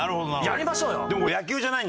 やりましょうよ。